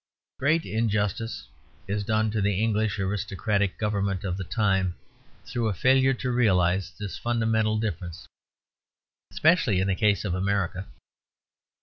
Great injustice is done to the English aristocratic government of the time through a failure to realize this fundamental difference, especially in the case of America.